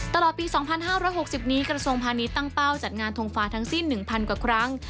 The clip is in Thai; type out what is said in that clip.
ตลอดปี๒๕๖๐นี้กระทรวงพาณิชย์ตั้งเป้าจัดงานทงฟ้าทั้งสิ้น๑๐๐กว่าครั้ง